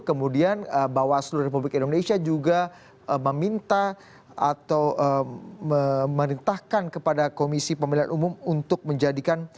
kemudian bapak seluruh republik indonesia juga meminta atau merintahkan kepada komisi pemilihan umum untuk menjadikan pbb